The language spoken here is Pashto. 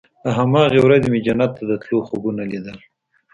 له هماغې ورځې مې جنت ته د تلو خوبونه ليدل.